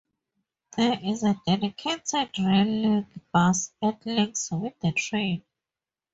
There is a dedicated rail linc bus that links with the train.